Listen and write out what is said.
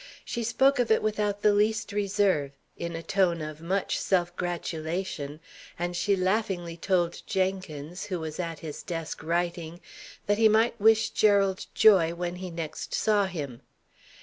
She spoke of it without the least reserve, in a tone of much self gratulation, and she laughingly told Jenkins, who was at his desk writing, that he might wish Gerald joy when he next saw him.